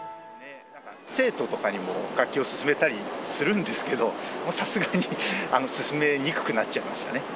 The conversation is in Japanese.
生徒とかにも、楽器を勧めたりするんですけど、さすがに勧めにくくなっちゃいましたね。